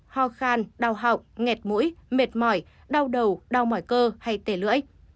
ho khan đau họng nghẹt mũi mệt mỏi đau đầu đau mỏi cơ hay tề lưỡi